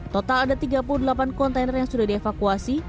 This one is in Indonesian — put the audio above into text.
total ada tiga puluh delapan kontainer yang sudah dievakuasi